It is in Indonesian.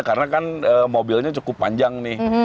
karena kan mobilnya cukup panjang nih